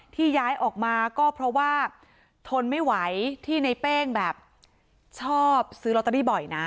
ที่ย้ายออกมาก็เพราะว่าทนไม่ไหวที่ในเป้งแบบชอบซื้อลอตเตอรี่บ่อยนะ